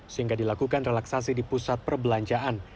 sehingga dilakukan relaksasi di pusat perbelanjaan